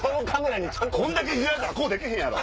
こんだけイジられたらこうできへんやろ！